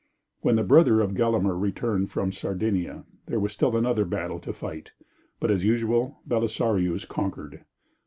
When the brother of Gelimer returned from Sardinia there was still another battle to fight, but as usual Belisarius conquered.